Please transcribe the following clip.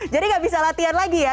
jadi nggak bisa latihan lagi ya